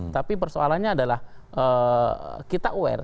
tapi persoalannya adalah kita aware